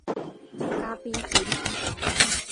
棕熊